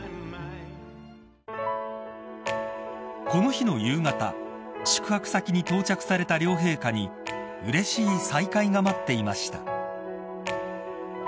［この日の夕方宿泊先に到着された両陛下にうれしい再会が待っていました］